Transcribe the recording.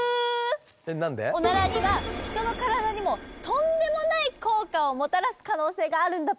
オナラには人の体にもとんでもない効果をもたらす可能性があるんだぷ。